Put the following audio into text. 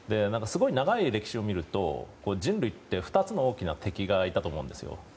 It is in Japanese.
すごい長い歴史を見ると人類って２つの大きな敵がいたと思うんですよ。